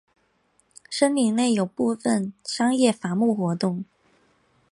森林内有部分商业伐木活动。